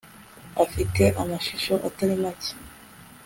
afite amashusho atari make